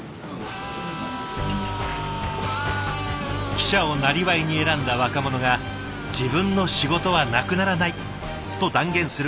記者をなりわいに選んだ若者が「自分の仕事はなくならない」と断言する。